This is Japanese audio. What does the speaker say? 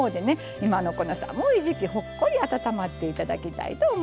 今のこの寒い時期ほっこり温まっていただきたいと思います。